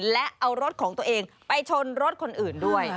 และเอารถของตัวเองไปชนรถคนอื่นด้วย